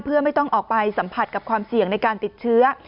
เพื่อไม่ต้องออกไปสัมผัสกับความเสี่ยงในการติดเชื้อ